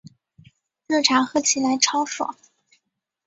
热茶喝起来超爽